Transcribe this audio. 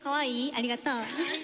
ありがとう。